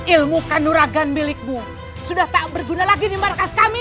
ilmu kanuragan milikmu sudah tak berguna lagi di markas kami